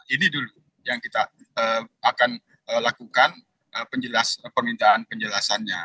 ini dulu yang kita akan lakukan permintaan penjelasannya